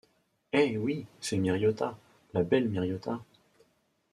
Eh ! oui !… c’est Miriota… la belle Miriota !…